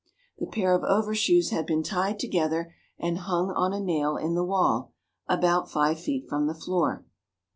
The pair of overshoes had been tied together and hung on a nail in the wall, about five feet from the floor.